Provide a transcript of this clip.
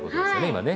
今ね。